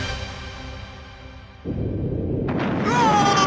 うわ！